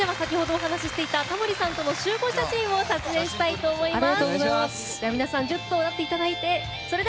それでは先ほどお話ししていたタモリさんとの集合写真を撮影したいと思います。